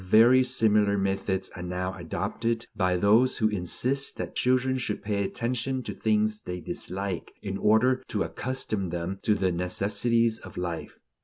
Very similar methods are now adopted by those who insist that children should pay attention to things they dislike, in order to accustom them to the necessities of life.